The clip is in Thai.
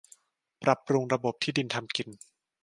ปรับปรุงระบบที่ดินทำกิน